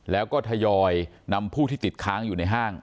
แล้วก็ทยอยนำผู้ที่ติดค้างอยู่ในห้าง